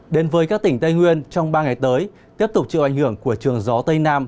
đến với các tỉnh tây nguyên trong ba ngày tới tiếp tục chịu ảnh hưởng của trường gió tây nam